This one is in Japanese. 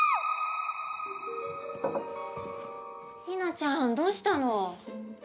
ひなちゃん、どうしたの？